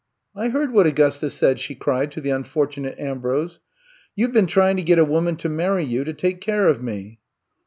I heard what Augusta said," she cried to the unfortunate Ambrose. You 've been trying to get a woman to marry you to take care of me.